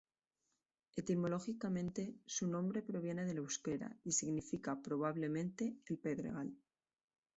Etimológicamente su nombre proviene del euskera y significa probablemente "el pedregal".